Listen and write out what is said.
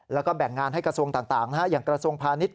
แล้วก็แบ่งงานให้กระทรวงต่างอย่างกระทรวงพาณิชย